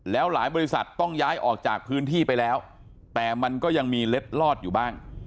แล้วหลายบริษัทต้องย้ายออกจากพื้นที่ไปแล้วแต่มันก็ยังมีเล็ดลอดอยู่บ้าง